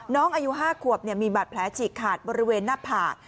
น้องอายุ๕ขวบมีบัตรแผลฉีกขาดบริเวณหน้าผ่า